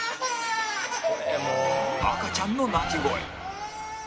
赤ちゃんの泣き声